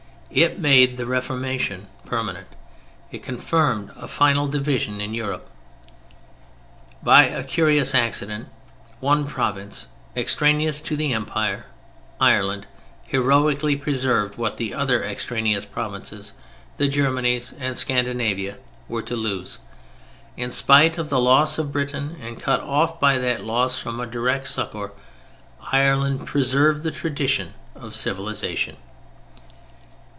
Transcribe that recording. It made the Reformation permanent. It confirmed a final division in Europe. By a curious accident, one province, extraneous to the Empire, Ireland, heroically preserved what the other extraneous provinces, the Germanies and Scandinavia, were to lose. In spite of the loss of Britain, and cut off by that loss from direct succor, Ireland preserved the tradition of civilization.